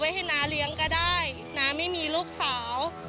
ควิทยาลัยเชียร์สวัสดีครับ